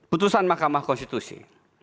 putusan makama konstitusi